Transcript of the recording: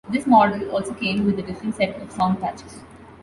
This model also came with a different set of sound patches.